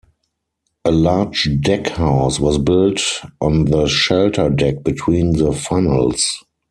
A large deck house was built on the shelter deck between the funnels.